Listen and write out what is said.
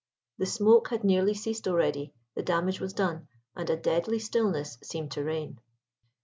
The smoke had nearly ceased already; the damage was done, and a deadly stillness seemed to reign.